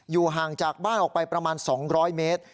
ห่างจากบ้านออกไปประมาณ๒๐๐เมตร